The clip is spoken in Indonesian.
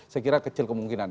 saya kira kecil kemungkinan